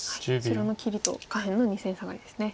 白の切りと下辺の２線サガリですね。